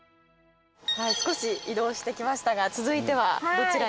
少し移動してきましたが続いてはどちらに？